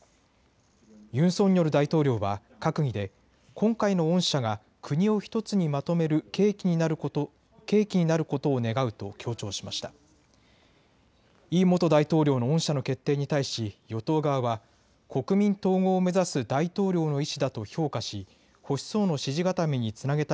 ユン・ソンニョル大統領は閣議で今回の恩赦が国を１つにまとめる契機になることを願うと強調しました。